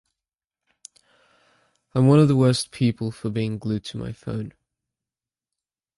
I’m one of the worst people for being glued to my phone.